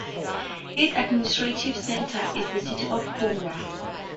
Its administrative center is the city of Kurgan.